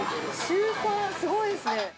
週３、すごいですね。